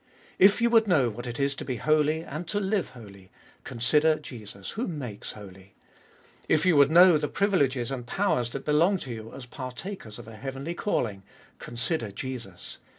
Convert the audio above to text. If you would know what it is to be holy and to live holy, consider Jesus who makes holy ! If you would know the privileges and powers that belong to you as partakers of a heavenly calling, consider Jesus